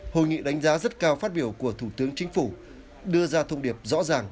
hội nghị đánh giá rất cao phát biểu của thủ tướng chính phủ đưa ra thông điệp rõ ràng